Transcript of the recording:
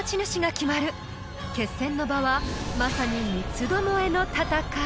［決戦の場はまさに三つどもえの戦い］